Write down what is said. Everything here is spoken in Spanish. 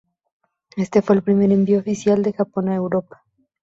Este fue el primer envío oficial de Japón a Europa.